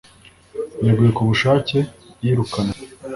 Yeguye ku bushake yirukanywe